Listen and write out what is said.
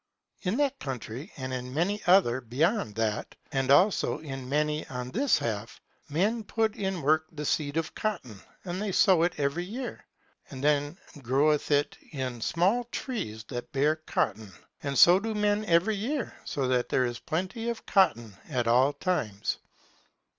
In that country and in many other beyond that, and also in many on this half, men put in work the seed of cotton, and they sow it every year. And then groweth it in small trees, that bear cotton. And so do men every year, so that there is plenty of cotton at all times.